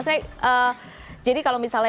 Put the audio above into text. mas reyyan jadi kalau misalnya